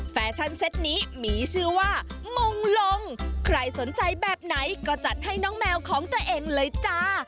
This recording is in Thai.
แฟชั่นเซ็ตนี้มีชื่อว่ามงลงใครสนใจแบบไหนก็จัดให้น้องแมวของตัวเองเลยจ้า